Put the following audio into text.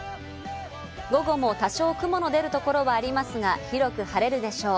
午後も多少雲の出る所がありますが、広く晴れるでしょう。